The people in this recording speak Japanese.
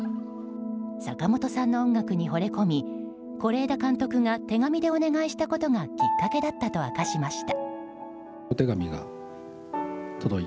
坂本さんの音楽にほれ込み是枝監督が手紙でお願いしたことがきっかけだったと明かしました。